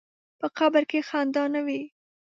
په قبر کې خندا نه وي.